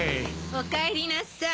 おかえりなさい。